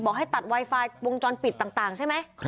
ให้ตัดไวไฟวงจรปิดต่างใช่ไหม